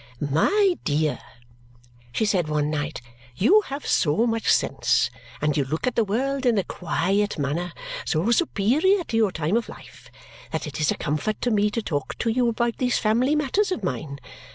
"My dear," she said one night, "you have so much sense and you look at the world in a quiet manner so superior to your time of life that it is a comfort to me to talk to you about these family matters of mine.